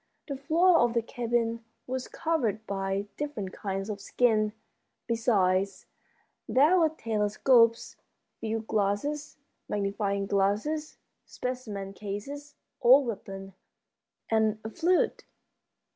The floor of the cabin was covered by different kinds of skins. Besides, there were telescopes, field glasses, magnifying glasses, specimen cases, old weapons, and a flute.